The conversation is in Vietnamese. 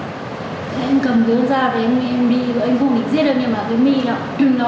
em đi với anh phụ định giết em nhưng mà cái my nó